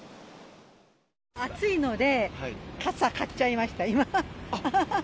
暑いので、傘、買っちゃいました、今。